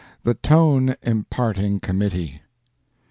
THE TONE IMPARTING COMMITTEE.